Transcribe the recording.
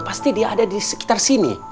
pasti dia ada di sekitar sini